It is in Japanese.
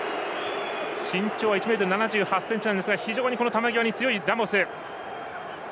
身長は１ｍ７８ｃｍなんですが非常に球際に強いラモス。